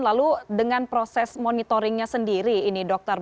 lalu dengan proses monitoringnya sendiri ini dokter